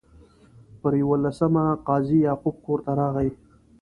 پر یوولسمه قاضي یعقوب کور ته راغی.